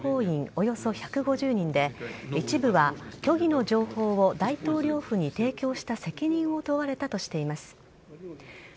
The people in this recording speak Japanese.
およそ１５０人で一部は、虚偽の虚偽の情報を大統領府に提供した責任を問われたとしています。